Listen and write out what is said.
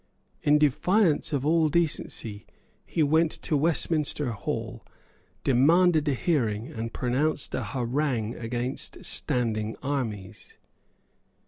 In defiance of all decency, he went to Westminster Hall, demanded a hearing, and pronounced a harangue against standing armies.